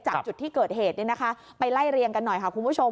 จุดที่เกิดเหตุไปไล่เรียงกันหน่อยค่ะคุณผู้ชม